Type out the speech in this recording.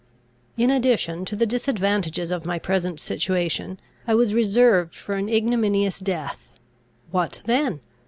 In addition to the disadvantages of my present situation, I was reserved for an ignominious death. What then?